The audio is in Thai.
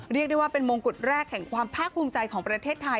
เรียกได้ว่าเป็นมงกุฎแรกแห่งความภาคภูมิใจของประเทศไทย